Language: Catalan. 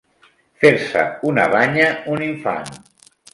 Fer-se una banya un infant.